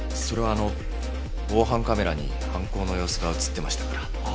それはあの防犯カメラに犯行の様子が映ってましたから。